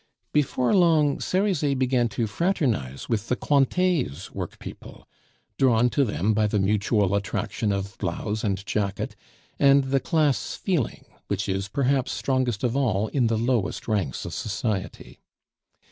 Before long Cerizet began to fraternize with the Cointets' workpeople, drawn to them by the mutual attraction of blouse and jacket, and the class feeling, which is, perhaps, strongest of all in the lowest ranks of society.